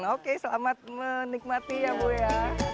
oke selamat menikmati ya bu ya